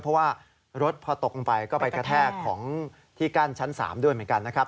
เพราะว่ารถพอตกลงไปก็ไปกระแทกของที่กั้นชั้น๓ด้วยเหมือนกันนะครับ